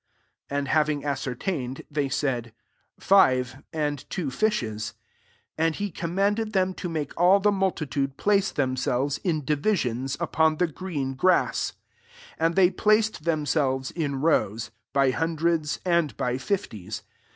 And having as certained, they said, " Five, and two fishes." 39 And he com manded them to make all the multitude place themselves in divisions, upon the green grass. 40 And they placed themselves in rows ; by hundreds and by fifties.